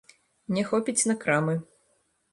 Не хопіць на крамы.